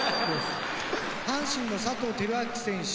阪神の佐藤輝明選手